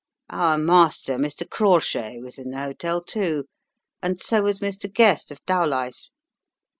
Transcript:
Our master, Mr. Crawshay, was in the hotel too, and so was Mr. Guest, of Dowlais.